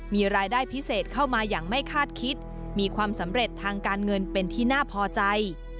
มีรายได้พิเศษเข้ามาอย่างไม่คาดคิดมีความสำเร็จทางการเงินเป็นที่น่าพอใจ